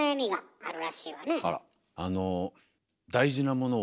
あら。